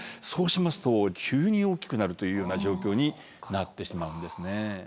そうしますと急に大きくなるというような状況になってしまうんですね。